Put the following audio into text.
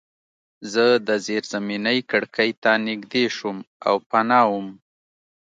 زه د زیرزمینۍ کړکۍ ته نږدې شوم او پناه وم